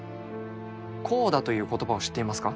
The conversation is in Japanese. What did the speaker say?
コーダという言葉を知っていますか？